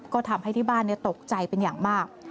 ก็ทำให้ที่บ้านตกใจเป็นอย่างมาก